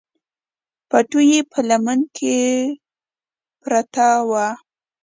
بټوه يې په لمن کې پرته وه.